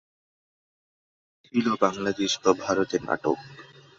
ছিল বাংলাদেশ ও ভারতের নাটক।